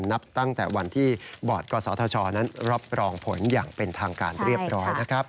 นับตั้งแต่วันที่บอร์ดกศธชนั้นรับรองผลอย่างเป็นทางการเรียบร้อยนะครับ